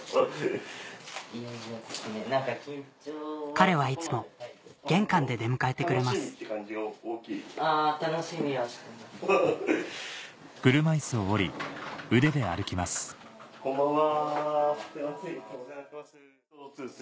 彼はいつも玄関で出迎えてくれますこんばんは。